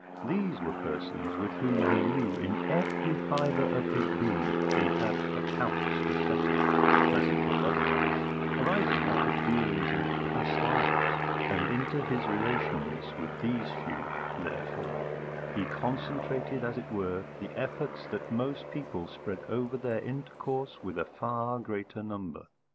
These were persons with whom he knew in every fibre of his being he had accounts to settle, pleasant or otherwise, arising out of dealings in past lives; and into his relations with these few, therefore, he concentrated as it were the efforts that most people spread over their intercourse with a far greater number.